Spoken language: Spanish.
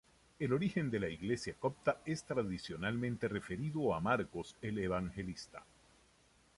El origen de la Iglesia copta es tradicionalmente referido a Marcos el Evangelista.